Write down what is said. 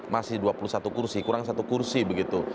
masih dua puluh satu kursi kurang satu kursi begitu